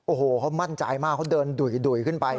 โอ้โหเขามั่นใจมากเขาเดินดุ่ยขึ้นไป